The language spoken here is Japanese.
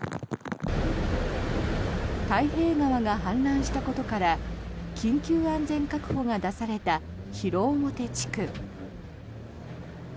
太平川が氾濫したことから緊急安全確保が出された広面地区。